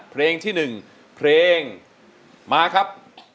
เพลงที่๑เพลงมาครับ